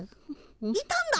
いたんだ？